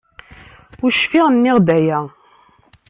Ur cfiɣ nniɣ-d aya.